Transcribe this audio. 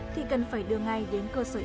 thì cần phải đưa ngay đến cơ sở